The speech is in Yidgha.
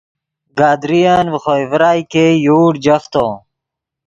گدرین ڤے خوئے ڤرائے ګئے یوڑ جفتو